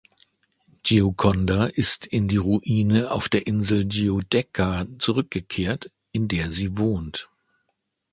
Gioconda ist in die Ruine auf der Insel Giudecca zurückgekehrt, in der sie wohnt.